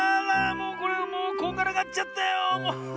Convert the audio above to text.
もうこれもうこんがらがっちゃったよ！